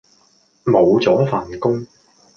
無咗份工